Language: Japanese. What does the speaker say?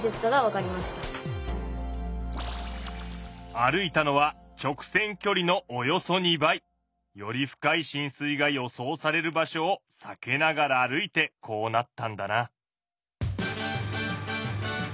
歩いたのは直線きょりのおよそ２倍。より深いしん水が予想される場所を避けながら歩いてこうなったんだな。